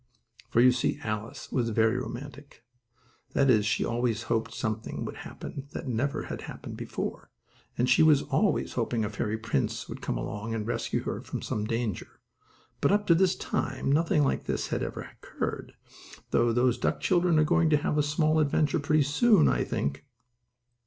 For you see Alice was very romantic. That is, she always hoped something would happen that never had happened before, and she was always hoping a fairy prince would come along and rescue her from some danger. But, up to this time, nothing like this had ever occurred, though those duck children are going to have a small adventure pretty soon, I think.